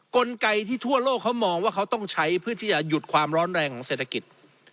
กลไกที่ทั่วโลกเขามองว่าเขาต้องใช้เพื่อที่จะหยุดความร้อนแรงของเศรษฐกิจ